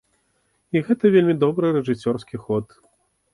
І гэта вельмі добры рэжысёрскі ход.